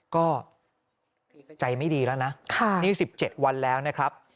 ก็ใจไม่ดีแล้วนะนี่๑๗วันแล้วนะครับ